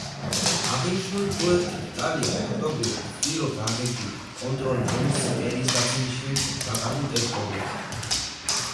აღნიშნული პროექტით იტალია, ფაქტობრივად, ცდილობდა აღედგინა კონტროლი რომის იმპერიის დაცემის შემდეგ დაკარგულ ტერიტორიებზე.